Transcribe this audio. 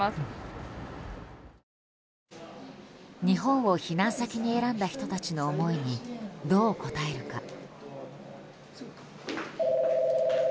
日本を避難先に選んだ人たちの思いにどう応えるか。